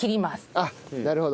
あっなるほど。